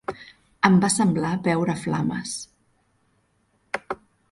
Em va semblar veure flames.